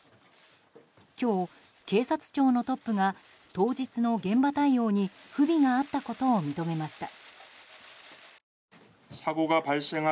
今日、警察庁のトップが当日の現場対応に不備があったことを認めました。